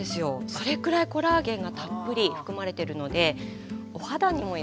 それくらいコラーゲンがたっぷり含まれてるのでお肌にもよさそうですよね。